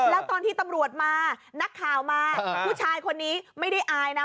แล้วตอนที่ตำรวจมานักข่าวมาผู้ชายคนนี้ไม่ได้อายนะ